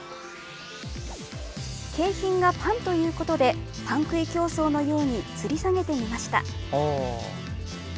景品がパンということでパン食い競争のようにつり下げてみました。